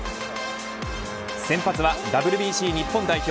先発はＷＢＣ日本代表